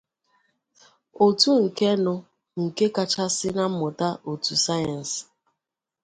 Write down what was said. Otu nke nu nke kachasi na mmuta otu sayensi.